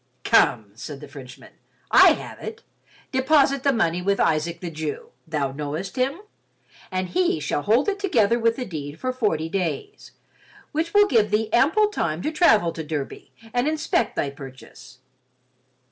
"Come," said the Frenchman, "I have it. Deposit the money with Isaac the Jew—thou knowest him?—and he shall hold it together with the deed for forty days, which will give thee ample time to travel to Derby and inspect thy purchase.